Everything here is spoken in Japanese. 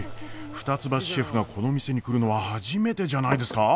二ツ橋シェフがこの店に来るのは初めてじゃないですか？